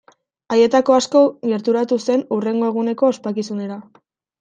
Haietako asko gerturatu zen hurrengo eguneko ospakizunera.